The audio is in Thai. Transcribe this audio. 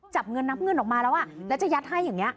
จับเงินนับเงินออกมาแล้วแล้วจะยัดให้อย่างนี้